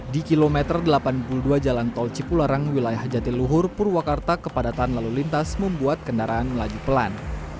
di kilometer delapan puluh dua jalan tol cipularang wilayah jatiluhur purwakarta kepadatan lalu lintas membuat kendaraan melaju pelan